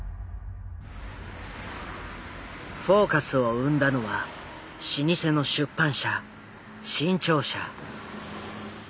「フォーカス」を生んだのは老舗の出版社新潮社。